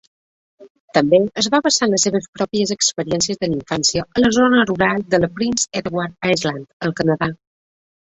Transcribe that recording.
També es va basar en les seves pròpies experiències de la infància a la zona rural de la Prince Edward Island, al Canadà.